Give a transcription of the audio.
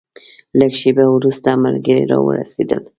لږه شېبه وروسته ملګري راورسېدل.